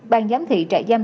ban giám thị trại giam